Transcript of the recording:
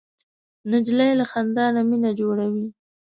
نجلۍ له خندا نه مینه جوړوي.